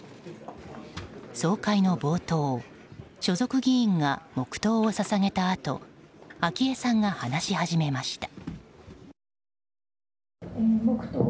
総会の冒頭所属議員が黙祷を捧げたあと昭恵さんが話し始めました。